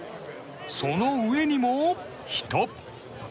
その上にも、人。